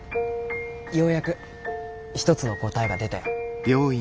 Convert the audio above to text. ようやく一つの答えが出たよ。